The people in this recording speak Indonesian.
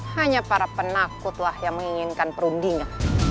hanya para penakutlah yang menginginkan perundingan